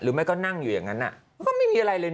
หรือไม่ก้อนั่งอยู่อย่างนั้นไม่มีอะไรเลย